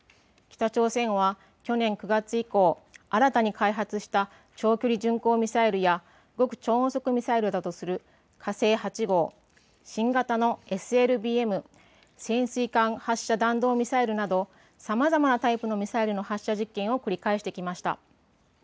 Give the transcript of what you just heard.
北朝鮮は去年９月以降、新たに開発した長距離巡航ミサイルや極超音速ミサイルだとする火星８号、新型のＳＬＢＭ・潜水艦発射弾道ミサイルなどさまざまなタイプのミサイルの発射実験を繰り返してきました。